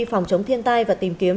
phòng chống thiên tai và tìm kiếm